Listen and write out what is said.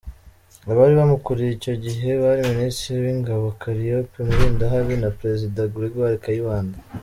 Abari bamukuriye icyo gihe bari Ministre w’Ingabo Calliope Mulindahabi na Président Grégoire Kayibanda.